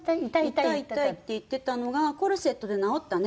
「痛い痛い」って言ってたのがコルセットで治ったね。